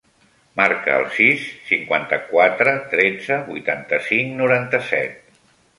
Marca el sis, cinquanta-quatre, tretze, vuitanta-cinc, noranta-set.